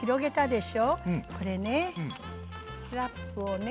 ラップをね